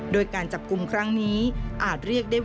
โดยการจับกุมครั้งนี้